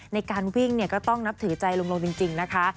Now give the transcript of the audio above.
ในการวิ่งก็ต้องนับถือใจลงจริงนะคะ